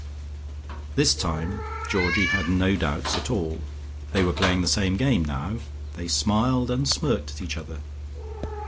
This time Georgie had no doubts at all. They were playing the same game now: they smiled and smirked at each other.